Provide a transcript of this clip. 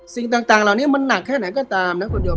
สิ่งต่างเหล่านี้มันหนักแค่ไหนก็ตามนะคุณโยม